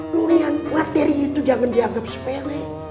dunia materi itu jangan dianggap sepewek